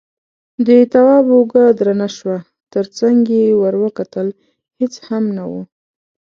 د تواب اوږه درنه شوه، تر څنګ يې ور وکتل، هېڅ هم نه و.